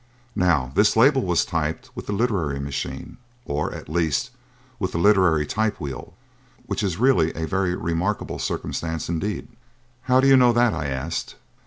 Now this label was typed with the literary machine, or, at least, with the literary typewheel; which is really a very remarkable circumstance indeed." "How do you know that?" I asked.